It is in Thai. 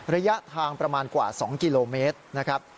ระยะทางประมาณกว่า๒กิโลเมตรนะครับ